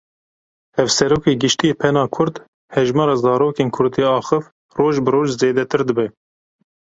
Hevserokê Giştî yê Pena Kurd, Hejmara zarokên kurdîaxiv roj bi roj zêdetir dibe.